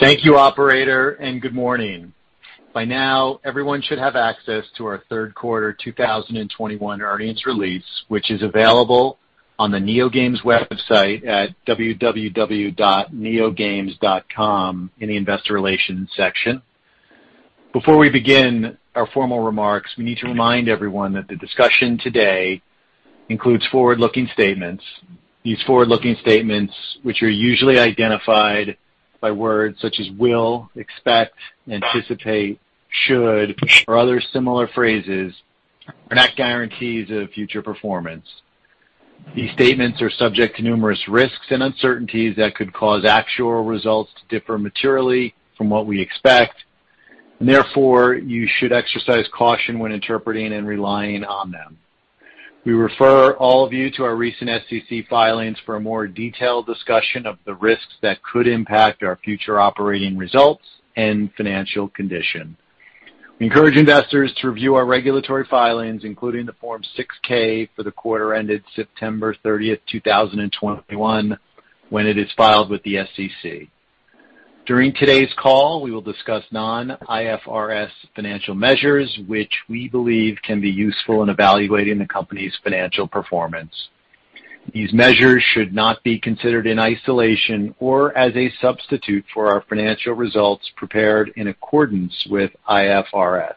Thank you operator, and good morning. By now, everyone should have access to our third quarter 2021 earnings release, which is available on the NeoGames website at www.neogames.com in the investor relations section. Before we begin our formal remarks, we need to remind everyone that the discussion today includes forward-looking statements. These forward-looking statements, which are usually identified by words such as will, expect, anticipate, should, or other similar phrases, are not guarantees of future performance. These statements are subject to numerous risks and uncertainties that could cause actual results to differ materially from what we expect. Therefore, you should exercise caution when interpreting and relying on them. We refer all of you to our recent SEC filings for a more detailed discussion of the risks that could impact our future operating results and financial condition. We encourage investors to review our regulatory filings, including the Form 6-K for the quarter ended September 30th, 2021, when it is filed with the SEC. During today's call, we will discuss non-IFRS financial measures, which we believe can be useful in evaluating the company's financial performance. These measures should not be considered in isolation or as a substitute for our financial results prepared in accordance with IFRS.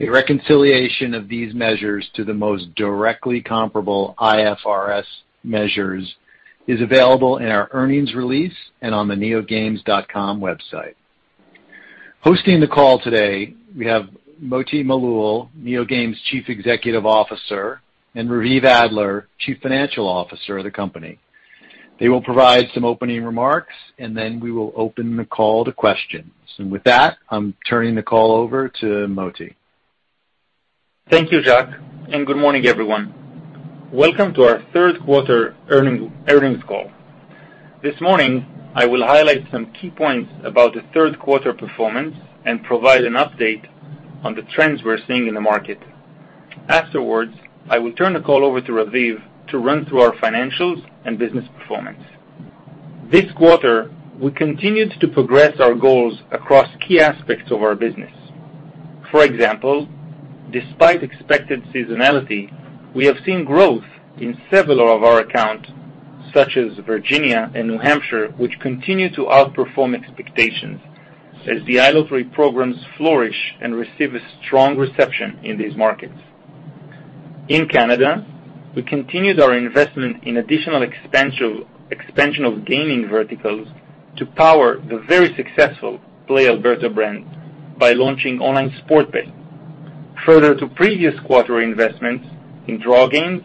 A reconciliation of these measures to the most directly comparable IFRS measures is available in our earnings release and on the neogames.com website. Hosting the call today, we have Moti Malul, NeoGames Chief Executive Officer, and Raviv Adler, Chief Financial Officer of the company. They will provide some opening remarks, and then we will open the call to questions. With that, I'm turning the call over to Moti. Thank you, Jack, and good morning everyone. Welcome to our third quarter earnings call. This morning, I will highlight some key points about the third quarter performance and provide an update on the trends we're seeing in the market. Afterwards, I will turn the call over to Raviv to run through our financials and business performance. This quarter, we continued to progress our goals across key aspects of our business. For example, despite expected seasonality, we have seen growth in several of our accounts, such as Virginia and New Hampshire, which continue to outperform expectations as the iLottery programs flourish and receive a strong reception in these markets. In Canada, we continued our investment in additional expansion of gaming verticals to power the very successful Play Alberta brand by launching online sports betting, further to previous quarter investments in draw games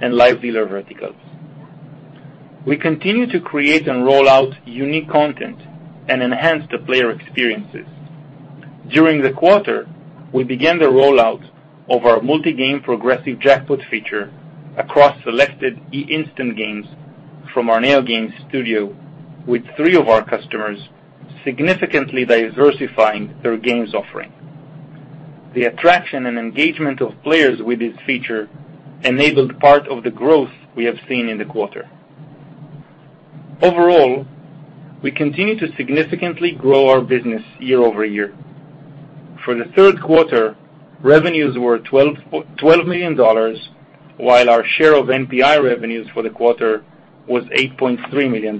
and live dealer verticals. We continue to create and roll out unique content and enhance the player experiences. During the quarter, we began the rollout of our multi-game progressive jackpot feature across selected instant games from our NeoGames Studio with three of our customers, significantly diversifying their games offering. The attraction and engagement of players with this feature enabled part of the growth we have seen in the quarter. Overall, we continue to significantly grow our business year-over-year. For the third quarter, revenues were $12 million, while our share of NPI revenues for the quarter was $8.3 million.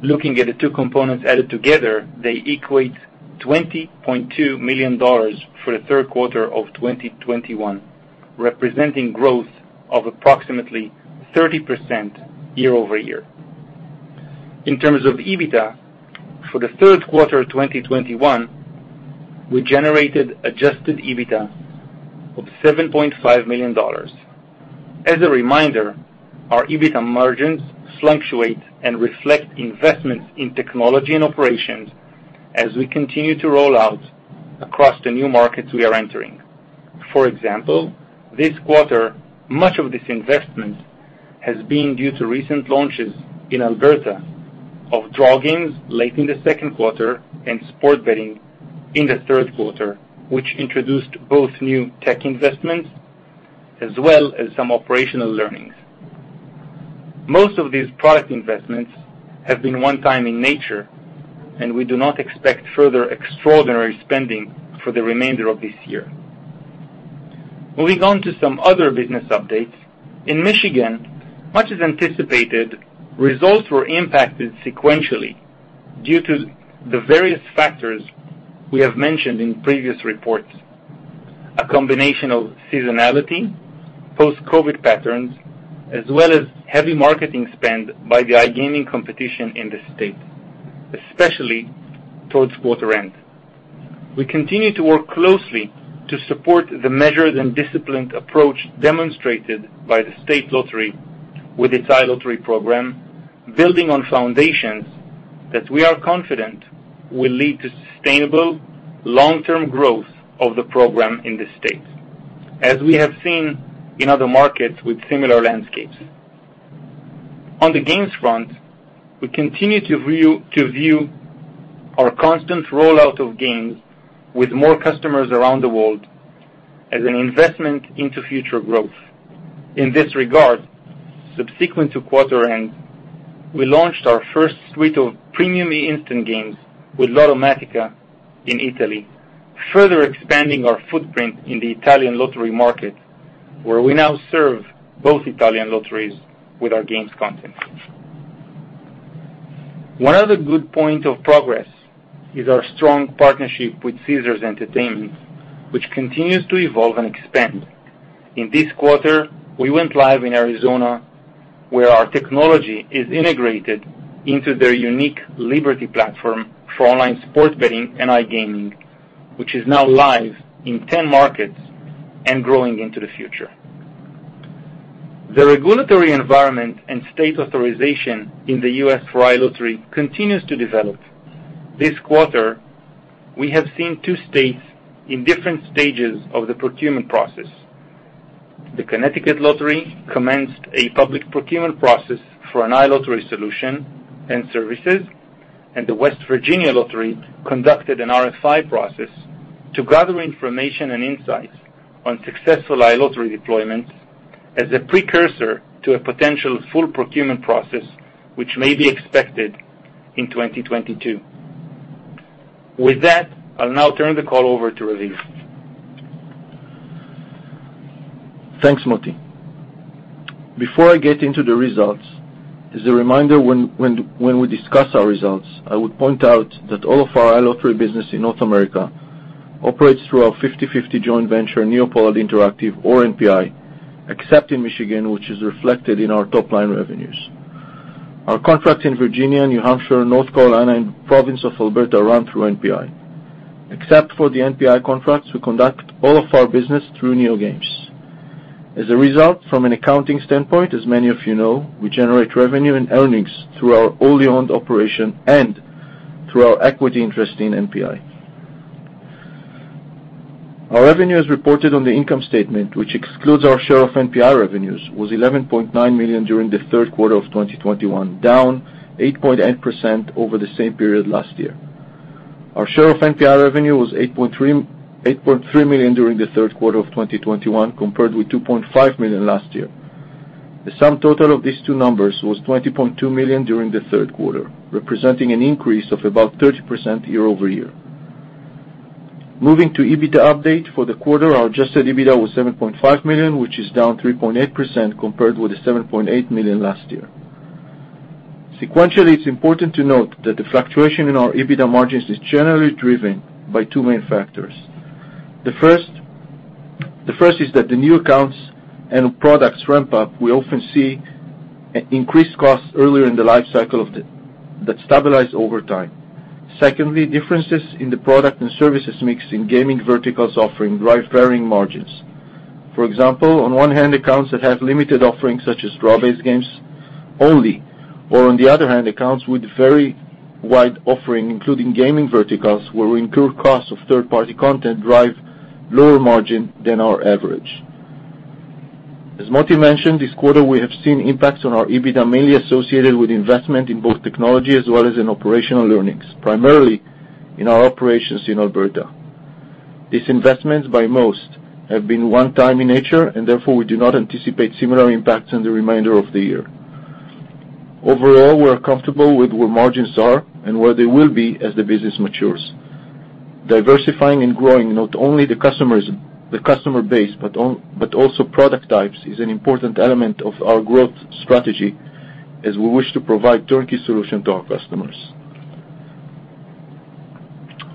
Looking at the two components added together, they equate $20.2 million for the third quarter of 2021, representing growth of approximately 30% year-over-year. In terms of EBITDA, for the third quarter of 2021, we generated adjusted EBITDA of $7.5 million. As a reminder, our EBITDA margins fluctuate and reflect investments in technology and operations as we continue to roll out across the new markets we are entering. For example, this quarter, much of this investment has been due to recent launches in Alberta of draw games late in the second quarter and sports betting in the third quarter, which introduced both new tech investments as well as some operational learnings. Most of these product investments have been one-time in nature, and we do not expect further extraordinary spending for the remainder of this year. Moving on to some other business updates. In Michigan, much as anticipated, results were impacted sequentially due to the various factors we have mentioned in previous reports. A combination of seasonality, post-COVID patterns, as well as heavy marketing spend by the iGaming competition in the state, especially towards quarter end. We continue to work closely to support the measured and disciplined approach demonstrated by the state lottery with its iLottery program, building on foundations that we are confident will lead to sustainable long-term growth of the program in the state, as we have seen in other markets with similar landscapes. On the games front, we continue to view our constant rollout of games with more customers around the world as an investment into future growth. In this regard, subsequent to quarter end, we launched our first suite of premium eInstant games with Lottomatica in Italy, further expanding our footprint in the Italian lottery market, where we now serve both Italian lotteries with our games content. One other good point of progress is our strong partnership with Caesars Entertainment, which continues to evolve and expand. In this quarter, we went live in Arizona, where our technology is integrated into their unique Liberty platform for online sports betting and iGaming, which is now live in 10 markets and growing into the future. The regulatory environment and state authorization in the U.S. for iLottery continues to develop. This quarter, we have seen two states in different stages of the procurement process. The Connecticut Lottery commenced a public procurement process for an iLottery solution and services, and the West Virginia Lottery conducted an RFI process to gather information and insights on successful iLottery deployments as a precursor to a potential full procurement process, which may be expected in 2022. With that, I'll now turn the call over to Raviv. Thanks, Moti. Before I get into the results, as a reminder, when we discuss our results, I would point out that all of our iLottery business in North America operates through our 50/50 joint venture, NeoPollard Interactive or NPI, except in Michigan, which is reflected in our top-line revenues. Our contracts in Virginia, New Hampshire, North Carolina, and province of Alberta run through NPI. Except for the NPI contracts, we conduct all of our business through NeoGames. As a result, from an accounting standpoint, as many of you know, we generate revenue and earnings through our wholly-owned operation and through our equity interest in NPI. Our revenues reported on the income statement, which excludes our share of NPI revenues, was $11.9 million during the third quarter of 2021, down 8.8% over the same period last year. Our share of NPI revenue was $8.3 million during the third quarter of 2021, compared with $2.5 million last year. The sum total of these two numbers was $20.2 million during the third quarter, representing an increase of about 30% year-over-year. Moving to EBITDA update. For the quarter, our adjusted EBITDA was $7.5 million, which is down 3.8% compared with the $7.8 million last year. Sequentially, it's important to note that the fluctuation in our EBITDA margins is generally driven by two main factors. The first is that the new accounts and products ramp-up, we often see increased costs earlier in the life cycle of the that stabilize over time. Secondly, differences in the product and services mix in gaming verticals offering drive varying margins. For example, on one hand, accounts that have limited offerings such as draw-based games only, or on the other hand, accounts with very wide offering, including gaming verticals, where we incur costs of third-party content drive lower margin than our average. As Moti mentioned, this quarter we have seen impacts on our EBITDA mainly associated with investment in both technology as well as in operational learnings, primarily in our operations in Alberta. These investments by most, have been one time in nature, and therefore we do not anticipate similar impacts in the remainder of the year. Overall, we're comfortable with where margins are and where they will be as the business matures. Diversifying and growing not only the customer base, but also product types is an important element of our growth strategy as we wish to provide turnkey solution to our customers.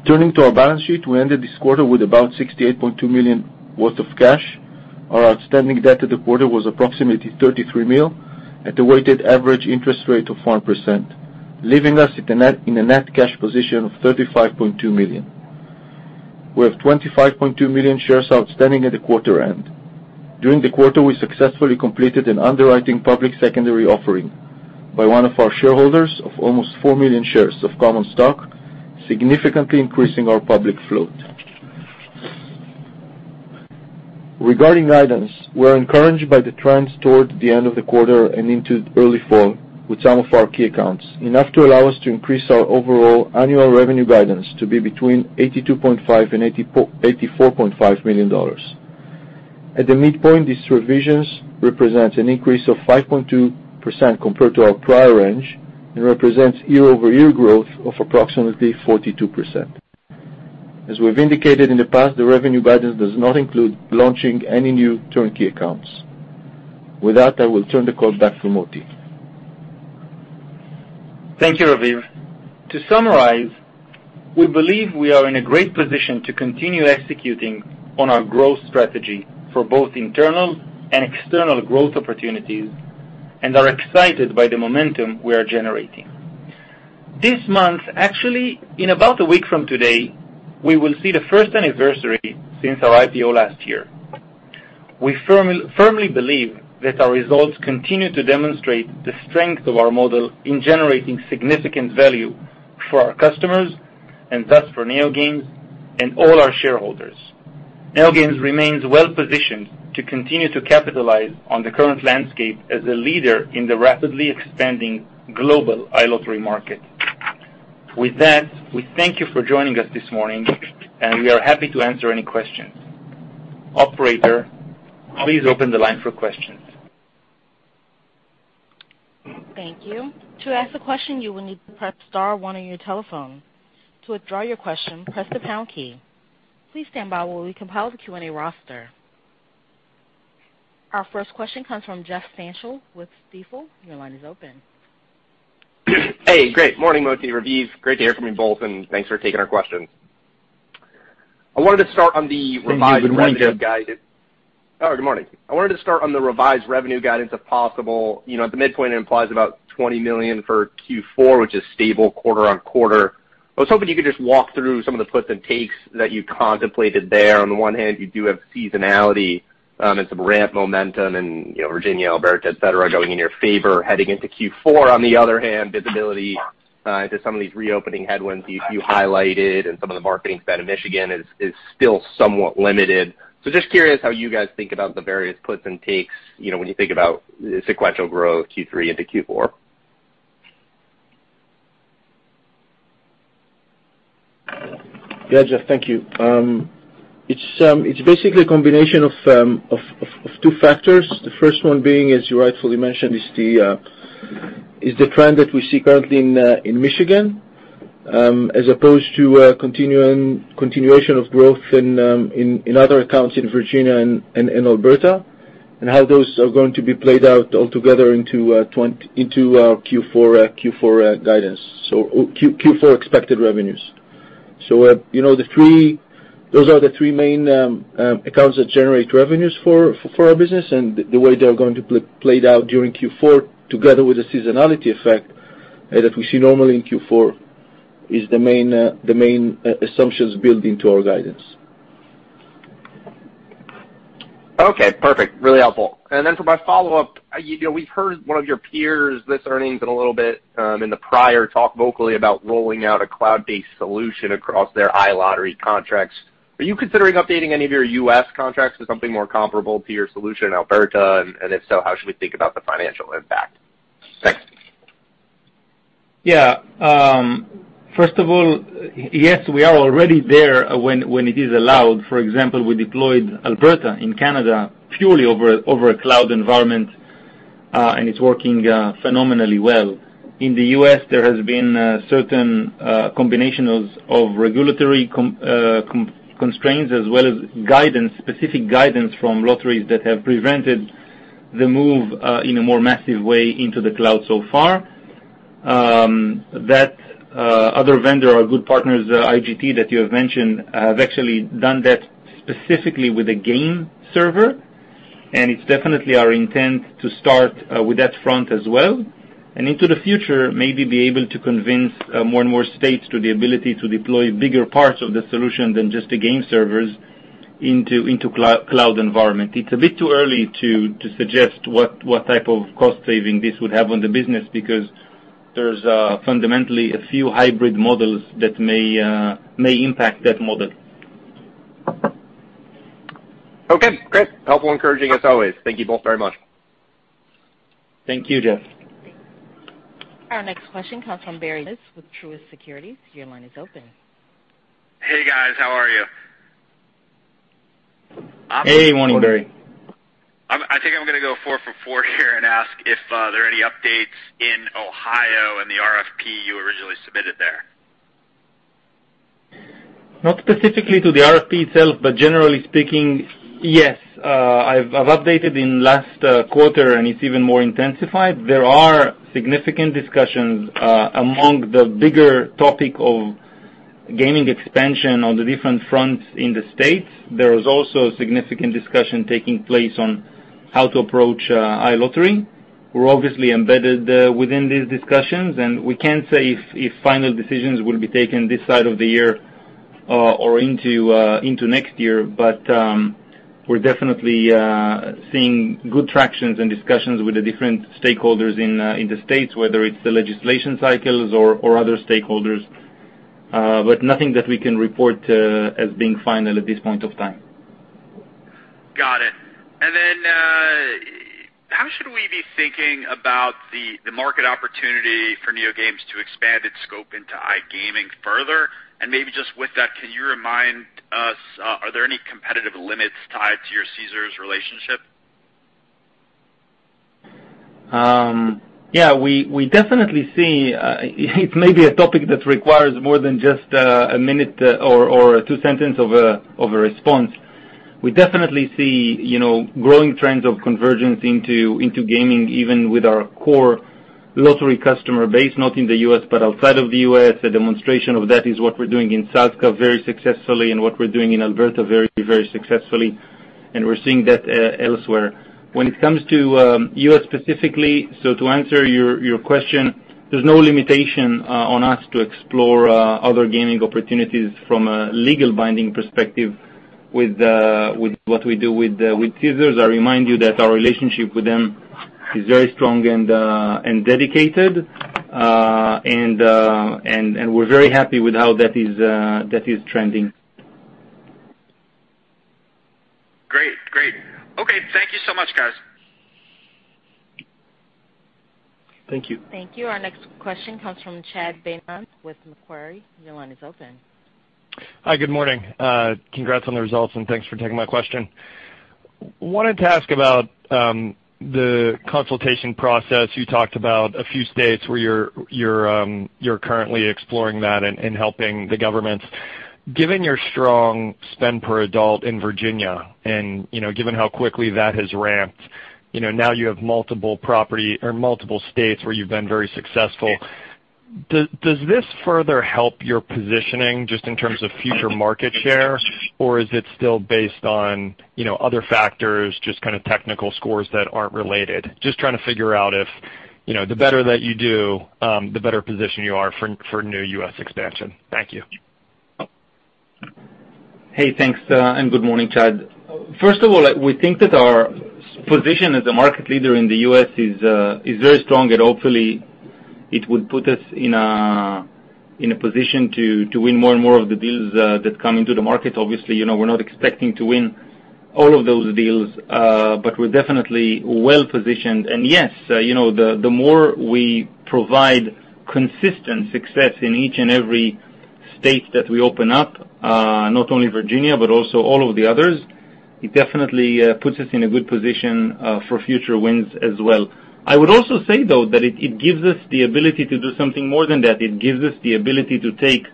Turning to our balance sheet. We ended this quarter with about $68.2 million worth of cash. Our outstanding debt at the quarter was approximately $33 million at a weighted average interest rate of 1%, leaving us in a net cash position of $35.2 million. We have 25.2 million shares outstanding at the quarter end. During the quarter, we successfully completed an underwriting public secondary offering by one of our shareholders of almost 4 million shares of common stock, significantly increasing our public float. Regarding guidance, we're encouraged by the trends toward the end of the quarter and into early fall with some of our key accounts, enough to allow us to increase our overall annual revenue guidance to be between $82.5 million and $84.5 million. At the midpoint, these revisions represents an increase of 5.2% compared to our prior range and represents year-over-year growth of approximately 42%. As we've indicated in the past, the revenue guidance does not include launching any new turnkey accounts. With that, I will turn the call back to Moti. Thank you, Raviv. To summarize, we believe we are in a great position to continue executing on our growth strategy for both internal and external growth opportunities and are excited by the momentum we are generating. This month, actually, in about a week from today, we will see the first anniversary since our IPO last year. We firmly believe that our results continue to demonstrate the strength of our model in generating significant value for our customers, and thus for NeoGames and all our shareholders. NeoGames remains well-positioned to continue to capitalize on the current landscape as a leader in the rapidly expanding global iLottery market. With that, we thank you for joining us this morning, and we are happy to answer any questions. Operator, please open the line for questions. Thank you. To ask a question, you will need to press star one on your telephone. To withdraw your question, press the pound key. Please stand by while we compile the Q&A roster. Our first question comes from Jeff Stantial with Stifel. Your line is open. Hey, good morning, Moti, Raviv. Great to hear from you both, and thanks for taking our questions. I wanted to start on the revised- Thank you. Good morning, Jeff. Oh, good morning. I wanted to start on the revised revenue guidance, if possible. You know, at the midpoint, it implies about $20 million for Q4, which is stable quarter-over-quarter. I was hoping you could just walk through some of the puts and takes that you contemplated there. On the one hand, you do have seasonality and some ramp momentum and, you know, Virginia, Alberta, et cetera, going in your favor heading into Q4. On the other hand, visibility to some of these reopening headwinds you highlighted and some of the marketing spend in Michigan is still somewhat limited. Just curious how you guys think about the various puts and takes, you know, when you think about sequential growth, Q3 into Q4. Yeah, Jeff, thank you. It's basically a combination of two factors. The first one being, as you rightfully mentioned, is the trend that we see currently in Michigan, as opposed to continuation of growth in other accounts in Virginia and Alberta, and how those are going to be played out altogether into Q4 guidance. So Q4 expected revenues. You know, those are the three main accounts that generate revenues for our business and the way they are going to play out during Q4, together with the seasonality effect that we see normally in Q4 is the main assumptions built into our guidance. Okay, perfect. Really helpful. For my follow-up, you know, we've heard one of your peers this earnings and a little bit in the prior talk vocally about rolling out a cloud-based solution across their iLottery contracts. Are you considering updating any of your U.S. contracts to something more comparable to your solution in Alberta? And if so, how should we think about the financial impact? Thanks. Yeah. First of all, yes, we are already there when it is allowed. For example, we deployed Alberta in Canada purely over a cloud environment, and it's working phenomenally well. In the U.S., there has been a certain combination of regulatory constraints as well as guidance, specific guidance from lotteries that have prevented the move in a more massive way into the cloud so far. That other vendor, our good partners, IGT, that you have mentioned, have actually done that specifically with a game server, and it's definitely our intent to start with that front as well. Into the future, maybe be able to convince more and more states to the ability to deploy bigger parts of the solution than just the game servers into cloud environment. It's a bit too early to suggest what type of cost saving this would have on the business because there's fundamentally a few hybrid models that may impact that model. Okay, great. Helpful, encouraging as always. Thank you both very much. Thank you, Jeff. Our next question comes from Barry Jonas with Truist Securities. Your line is open. Hey, guys. How are you? Hey. Morning, Barry. I think I'm gonna go four for four here and ask if there are any updates in Ohio and the RFP you originally submitted there. Not specifically to the RFP itself, but generally speaking, yes, I've updated in last quarter, and it's even more intensified. There are significant discussions among the bigger topic of gaming expansion on the different fronts in the states. There is also significant discussion taking place on how to approach iLottery. We're obviously embedded within these discussions, and we can't say if final decisions will be taken this side of the year or into next year. We're definitely seeing good tractions and discussions with the different stakeholders in the states, whether it's the legislation cycles or other stakeholders, but nothing that we can report as being final at this point of time. Got it. How should we be thinking about the market opportunity for NeoGames to expand its scope into iGaming further? Maybe just with that, can you remind us, are there any competitive limits tied to your Caesars relationship? Yeah, we definitely see it may be a topic that requires more than just a minute or a two sentence of a response. We definitely see, you know, growing trends of convergence into gaming, even with our core lottery customer base, not in the U.S., but outside of the U.S. A demonstration of that is what we're doing in SAZKA very successfully and what we're doing in Alberta very successfully, and we're seeing that elsewhere. When it comes to U.S. specifically, to answer your question, there's no limitation on us to explore other gaming opportunities from a legal binding perspective with what we do with Caesars. I remind you that our relationship with them is very strong and dedicated. We're very happy with how that is trending. Thank you. Thank you. Our next question comes from Chad Beynon with Macquarie. Your line is open. Hi, good morning. Congrats on the results, and thanks for taking my question. Wanted to ask about the consultation process. You talked about a few states where you're currently exploring that and helping the governments. Given your strong spend per adult in Virginia and, you know, given how quickly that has ramped, you know, now you have multiple property or multiple states where you've been very successful. Does this further help your positioning just in terms of future market share, or is it still based on, you know, other factors, just kind of technical scores that aren't related? Just trying to figure out if, you know, the better that you do, the better position you are for new U.S. expansion. Thank you. Hey, thanks, and good morning, Chad. First of all, we think that our position as a market leader in the U.S. is very strong, and hopefully it would put us in a position to win more and more of the deals that come into the market. Obviously, you know, we're not expecting to win all of those deals, but we're definitely well-positioned. Yes, you know, the more we provide consistent success in each and every state that we open up, not only Virginia, but also all of the others, it definitely puts us in a good position for future wins as well. I would also say, though, that it gives us the ability to do something more than that. It gives us the ability to take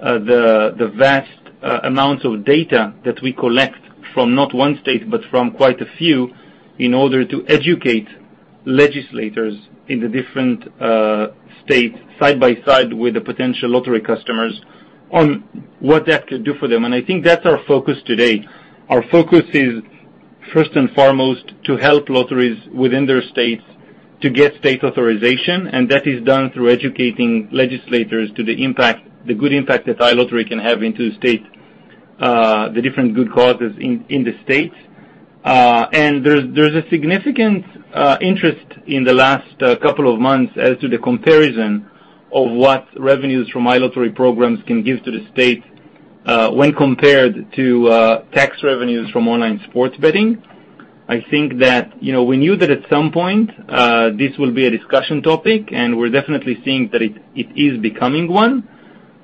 the vast amounts of data that we collect from not one state, but from quite a few in order to educate legislators in the different states, side by side with the potential lottery customers on what that could do for them. I think that's our focus today. Our focus is first and foremost to help lotteries within their states to get state authorization, and that is done through educating legislators to the impact, the good impact that iLottery can have into the state, the different good causes in the state. There's a significant interest in the last couple of months as to the comparison of what revenues from iLottery programs can give to the state, when compared to tax revenues from online sports betting. I think that, you know, we knew that at some point this will be a discussion topic, and we're definitely seeing that it is becoming one.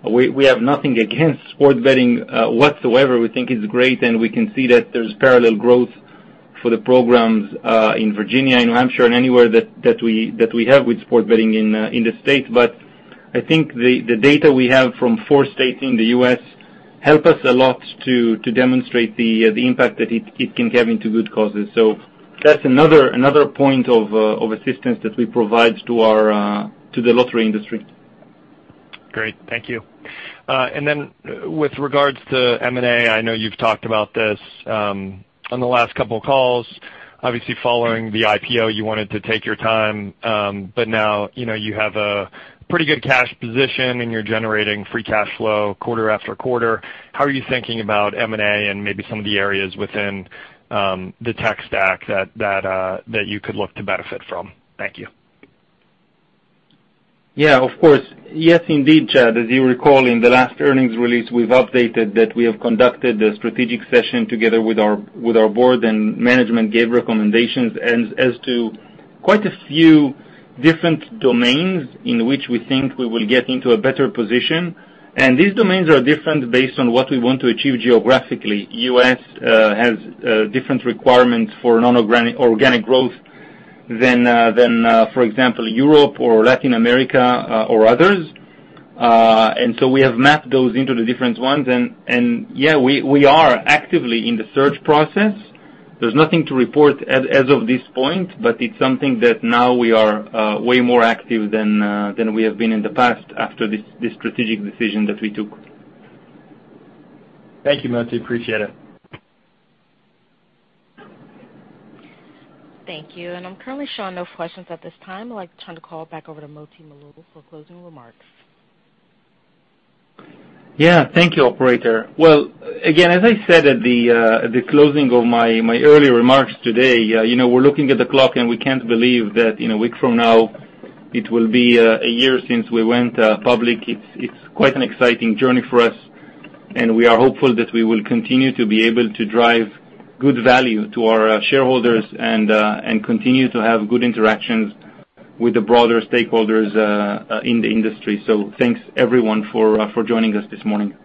We have nothing against sports betting whatsoever. We think it's great, and we can see that there's parallel growth for the programs in Virginia, New Hampshire and anywhere that we have with sports betting in the state. I think the data we have from four states in the U.S. help us a lot to demonstrate the impact that it can have into good causes. That's another point of assistance that we provide to the lottery industry. Great. Thank you. With regards to M&A, I know you've talked about this on the last couple of calls. Obviously, following the IPO, you wanted to take your time, but now, you know, you have a pretty good cash position and you're generating free cash flow quarter after quarter. How are you thinking about M&A and maybe some of the areas within the tech stack that you could look to benefit from? Thank you. Yeah, of course. Yes, indeed, Chad. As you recall, in the last earnings release, we've updated that we have conducted a strategic session together with our board, and management gave recommendations as to quite a few different domains in which we think we will get into a better position. These domains are different based on what we want to achieve geographically. U.S. has different requirements for non-organic growth than, for example, Europe or Latin America, or others. We have mapped those into the different ones. Yeah, we are actively in the search process. There's nothing to report as of this point, but it's something that now we are way more active than we have been in the past after this strategic decision that we took. Thank you, Moti. Appreciate it. Thank you. I'm currently showing no questions at this time. I'd like to turn the call back over to Moti Malul for closing remarks. Yeah. Thank you, operator. Well, again, as I said at the closing of my early remarks today, you know, we're looking at the clock, and we can't believe that in a week from now it will be a year since we went public. It's quite an exciting journey for us, and we are hopeful that we will continue to be able to drive good value to our shareholders and continue to have good interactions with the broader stakeholders in the industry. Thanks, everyone, for joining us this morning.